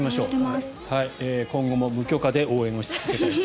今後も無許可で応援をし続けたいと。